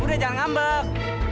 udah jangan ngambek